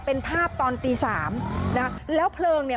เป็นภาพตอนตีสามนะแล้วเพลิงเนี่ย